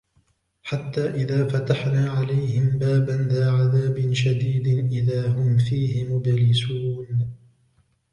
حتى إذا فتحنا عليهم بابا ذا عذاب شديد إذا هم فيه مبلسون